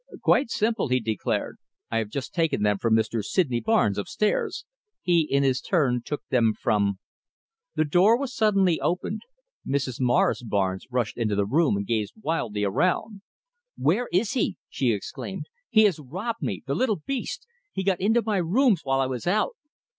"Quite simple," he declared. "I have just taken them from Mr. Sydney Barnes upstairs. He, in his turn, took them from " The door was suddenly opened. Mrs. Morris Barnes rushed into the room and gazed wildly around. "Where is he?" she exclaimed. "He has robbed me. The little beast! He got into my rooms while I was out."